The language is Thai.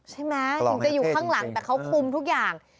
ใช่ไหมถึงจะอยู่ข้างหลังแต่เขาคุมทุกอย่าง